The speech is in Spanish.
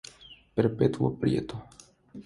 Perpetuo Prieto.